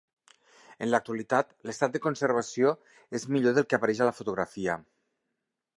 En l'actualitat, l'estat de conservació és millor del que apareix a la fotografia.